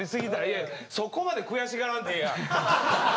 いやそこまで悔しがらんでええやん。